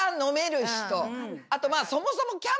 あとそもそも。